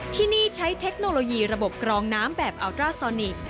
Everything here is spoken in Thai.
ที่นี่ใช้เทคโนโลยีระบบกรองน้ำแบบอัลตราซอนิค